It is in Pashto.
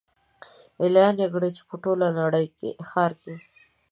اعلان یې کړی پر ټوله ښار دی